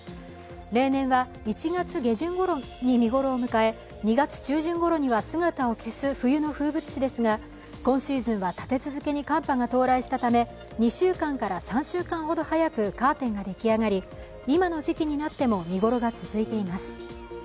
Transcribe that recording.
例年は１月下旬ごろに見頃を迎え２月中旬ごろには姿を消す冬の風物詩ですが今シーズンは立て続けに寒波が到来したため、２週間から３週間ほど早く、カーテンが出来上がり、今の時期も見頃が続いています。